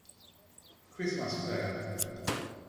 Christmas Fair.